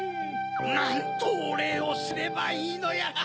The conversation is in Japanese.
なんとおれいをすればいいのやら。